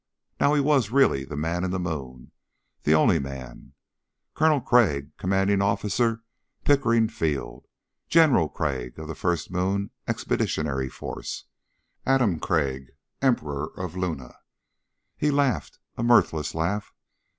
Now he was really the Man in the Moon. The only Man. Colonel Crag, Commanding Officer, Pickering Field. General Crag of the First Moon expeditionary Force. Adam Crag, Emperor of Luna. He laughed a mirthless laugh.